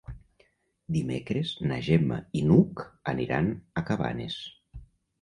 Dimecres na Gemma i n'Hug aniran a Cabanes.